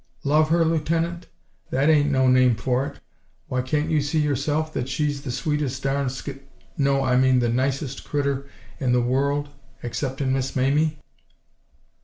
"Love her, lieutenant? That ain't no name for it. Why, can't you see yourself that she's the sweetest darn sk— no, I mean the nicest critter in the world—exceptin' Miss Mamie!"